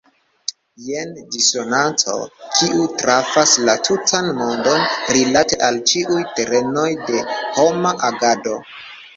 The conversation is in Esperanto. Jen disonanco kiu trafas la tutan mondon rilate al ĉiuj terenoj de homa agado.